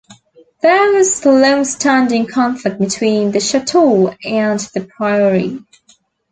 There was longstanding conflict between the chateau and the priory.